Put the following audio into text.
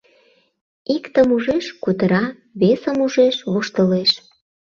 Иктым ужеш - кутыра, весым ужеш - воштылеш